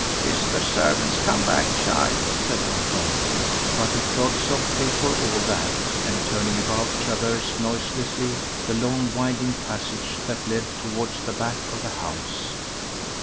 "'Tis the servants come back, child," said Anton; but he trod softly for all that, and, turning about, traversed noiselessly the long winding passage that led towards the back of the house.